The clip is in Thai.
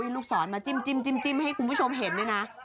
ลูกศรมาจิ้มให้คุณผู้ชมเห็นด้วยนะ